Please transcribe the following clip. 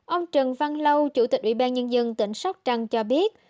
ông trần văn lâu chủ tịch ủy ban nhân dân tỉnh sóc trăng cho biết